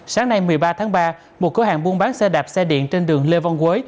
sáng nay một mươi ba tháng ba một cửa hàng buôn bán xe đạp xe điện trên đường lê văn quế